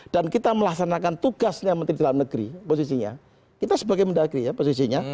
dan kita melaksanakan tugasnya menteri dalam negeri posisinya kita sebagai menda giri kita harus melakukan tugasnya